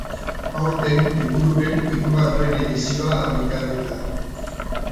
Aurten libururen hirugarren edizioa argitaratu da.